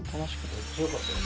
めっちゃ良かったよ。